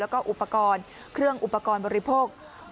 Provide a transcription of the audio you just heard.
แล้วก็อุปกรณ์เครื่องอุปกรณ์บริโภค